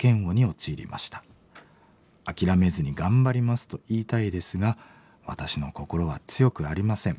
諦めずに頑張りますと言いたいですが私の心は強くありません。